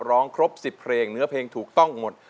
ร้องครบ๑๐เพลงเนื้อเพลงถูกต้องหมด